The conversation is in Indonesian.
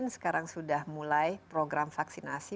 sekarang sudah mulai program vaksinasi